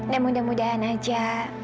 dan mudah mudahan aja